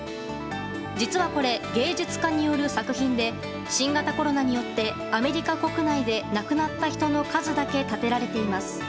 実はこれ、芸術家による作品で新型コロナによってアメリカ国内で亡くなった人の数だけ立てられています。